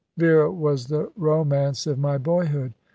Vera was the romance of my boyhood.